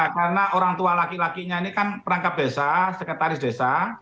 karena orang tua laki lakinya ini kan perangkap desa sekretaris desa